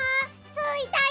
ついたよ！